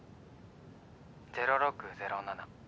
０６０７。